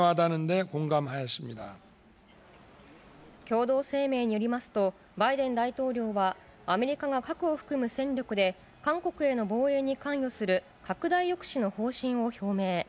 共同声明によりますと、バイデン大統領は、アメリカが核を含む戦力で、韓国への防衛に関与する拡大抑止の方針を表明。